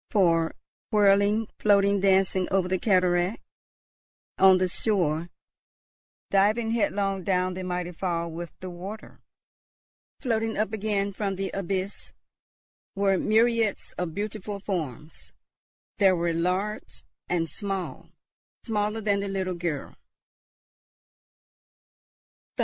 For, whirling, floating, dancing over the cataract, on the shore, diving headlong down the mighty fall with the water, floating up again from the abyss, were myriads of beautiful forms. There were large and small, smaller than the little girl.